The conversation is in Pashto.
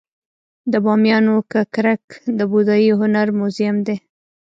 د بامیانو ککرک د بودايي هنر موزیم دی